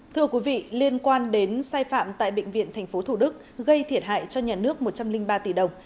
thưa quý vị liên quan đến sai phạm tại bệnh viện tp thủ đức gây thiệt hại cho nhà nước một trăm linh ba tỷ đồng